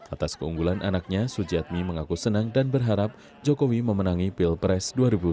atas keunggulan anaknya sujiatmi mengaku senang dan berharap jokowi memenangi pilpres dua ribu sembilan belas